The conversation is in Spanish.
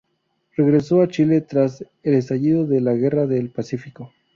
Regresó a Chile tras el estallido de la Guerra del Pacífico.